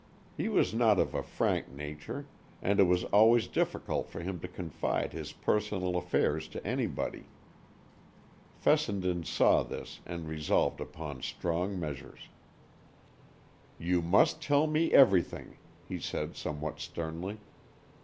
He was not of a frank nature, and it was always difficult for him to confide his personal affairs to anybody. Fessenden saw this, and resolved upon strong measures. "You must tell me everything," he said somewhat sternly.